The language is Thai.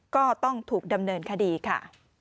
ก็ต้องถูกดำเนินคดีค่ะ